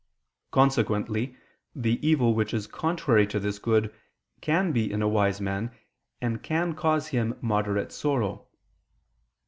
Consequently the evil which is contrary to this good can be in a wise man, and can cause him moderate sorrow.